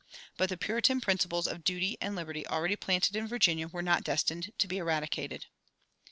But the Puritan principles of duty and liberty already planted in Virginia were not destined to be eradicated.